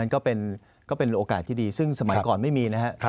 ก็เป็นโอกาสที่ดีซึ่งสมัยก่อนไม่มีนะครับ